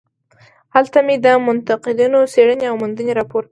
هلته مې د منتقدینو څېړنې او موندنې راپور کړې.